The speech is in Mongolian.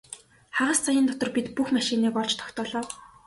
Хагас цагийн дотор бид бүх машиныг олж тогтоолоо.